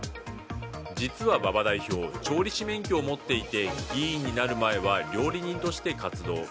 実は馬場代表調理師免許を持っていて議員になる前は料理人として活動。